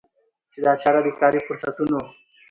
چي دا چاره د کاري فرصتونو